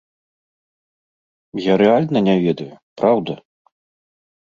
Я рэальна не ведаю, праўда.